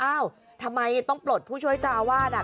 อ้าวทำไมต้องปลดผู้ช่วยเจ้าอาวาส